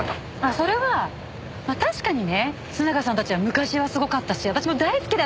それは確かにね須永さんたちは昔はすごかったし私も大好きだったの。